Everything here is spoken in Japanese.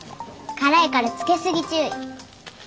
辛いからつけすぎ注意。